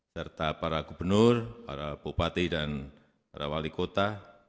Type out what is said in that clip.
serta para gubernur para bupati dan para wali kota